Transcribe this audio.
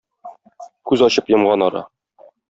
Күз ачып йомган ара.